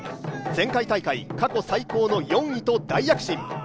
前回大会、過去最高の４位と大躍進。